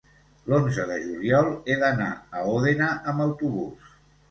l'onze de juliol he d'anar a Òdena amb autobús.